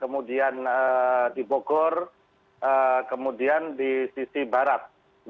kemudian di bogor kemudian di sisi barat